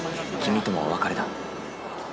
君ともお別れだ。